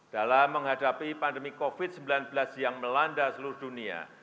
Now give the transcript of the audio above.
dalam menghadapi pandemi covid sembilan belas yang melanda seluruh dunia